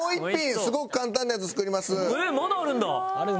すごく簡単なやつ作ります。